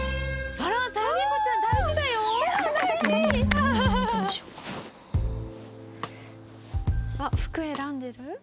あっ服選んでる？